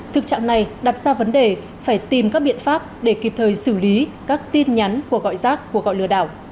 thực trạng này đặt ra vấn đề phải tìm các biện pháp để kịp thời xử lý các tin nhắn của gọi rác cuộc gọi lừa đảo